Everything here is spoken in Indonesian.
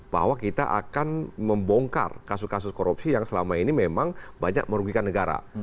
bahwa kita akan membongkar kasus kasus korupsi yang selama ini memang banyak merugikan negara